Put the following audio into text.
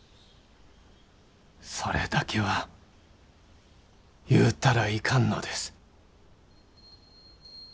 それだけは言うたらいかんのです。